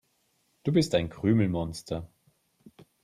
Du bist ein Krümelmonster.